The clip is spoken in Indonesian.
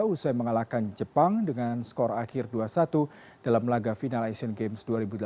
usai mengalahkan jepang dengan skor akhir dua puluh satu dalam laga final asian games dua ribu delapan belas